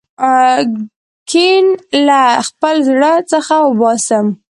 کین له خپل زړه څخه وباسم.